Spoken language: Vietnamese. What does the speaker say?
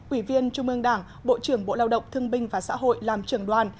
ủy viên trung ương đảng bộ trưởng bộ lao động thương binh và xã hội làm trưởng đoàn